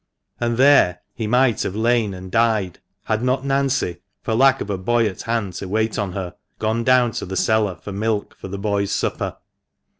And there he might have lain and died had not Nancy, for lack of a boy at hand to wait on her, gone down to the cellar for milk for the boys' supper.